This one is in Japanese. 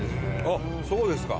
あっそうですか。